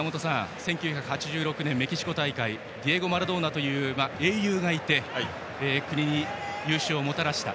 １９８６年のメキシコ大会ディエゴ・マラドーナという英雄がいて国に優勝をもたらした。